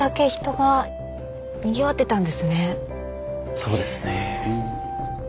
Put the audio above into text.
そうですね。